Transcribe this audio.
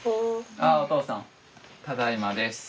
あっお父さんただいまです。